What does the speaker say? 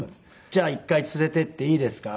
「じゃあ１回連れていっていいですか？」